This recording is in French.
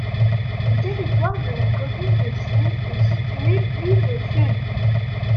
Le territoire de la commune de Cize est situé plus au sud.